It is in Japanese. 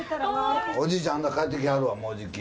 おじいちゃん帰ってきはるわもうじき。